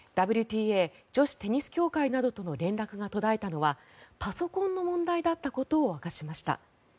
ＷＴＡ・女子テニス協会などとの連絡が途絶えたのはパソコンの問題だったことを明かしました。